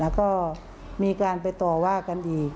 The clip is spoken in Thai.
แล้วก็มีการไปต่อว่ากันอีก